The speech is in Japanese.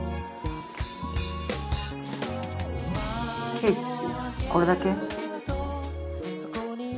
ケーキこれだけ？